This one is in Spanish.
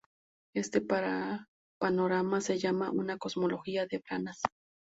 Este panorama se llama una Cosmología de branas.